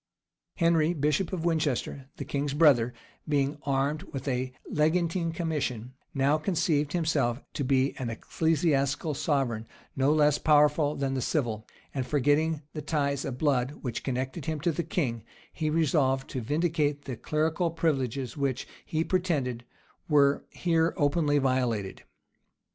[] Henry, bishop of Winchester, the king's brother, being armed with a legantine commission, now conceived himself to be an ecclesiastical sovereign no less powerful than the civil; and forgetting the ties of blood which connected him with the king, he resolved to vindicate the clerical privileges which, he pretended, were here openly violated.